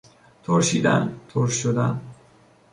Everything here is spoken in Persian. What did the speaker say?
ترشیدن، ترش شدن